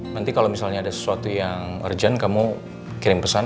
nanti kalau misalnya ada sesuatu yang urgent kamu kirim pesan